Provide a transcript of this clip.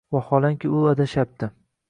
Vaholanki, u adashyapti